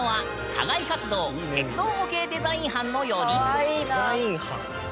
鉄道模型デザイン班の４人組！